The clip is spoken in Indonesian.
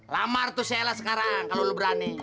lamar tuh si ella sekarang kalau lu berani